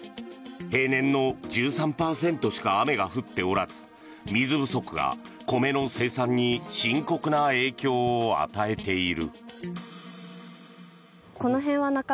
平年の１３％しか雨が降っておらず水不足が米の生産に深刻な影響を与えている。